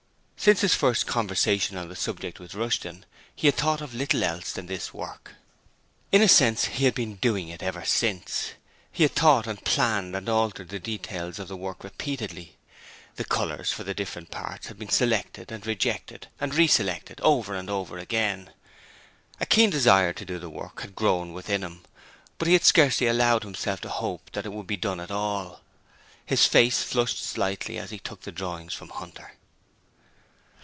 Since his first conversation on the subject with Rushton he had though of little else than this work. In a sense he had been DOING it ever since. He had thought and planned and altered the details of the work repeatedly. The colours for the different parts had been selected and rejected and re selected over and over again. A keen desire to do the work had grown within him, but he had scarcely allowed himself to hope that it would be done at all. His face flushed slightly as he took the drawings from Hunter.